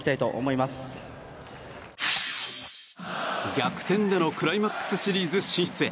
逆転でのクライマックスシリーズ進出へ。